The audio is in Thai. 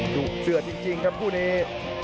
ดุเดือดจริงครับคู่นี้